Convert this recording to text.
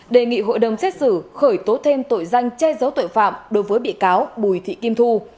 đề nghị hội đồng xét xử khởi tố thêm tội danh che giấu tội phạm đối với bị cáo bùi thị kim thu